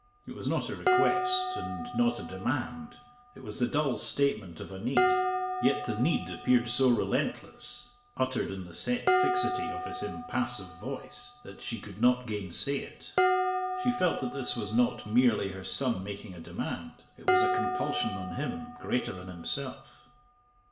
It was not a request, and not a demand; it was the dull statement of a need. Yet the need appeared so relentless, uttered in the set fixity of his impassive voice, that she could not gainsay it. She felt that this was not merely her son making a demand; it was a compulsion on him greater than himself.